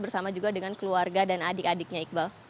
bersama juga dengan keluarga dan adik adiknya iqbal